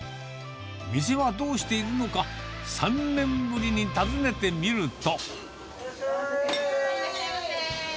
店はどうしているのか、３年ぶりに訪ねてみると。